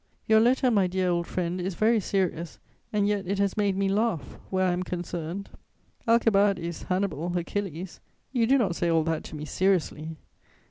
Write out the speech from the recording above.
"Your letter, my dear old friend, is very serious, and yet it has made me laugh where I am concerned. Alcibiades, Hannibal, Achilles! You do not say all that to me seriously.